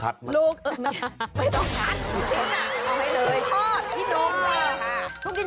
ไม่ต้องคัตลูกชิ้นก็เอาไว้เลย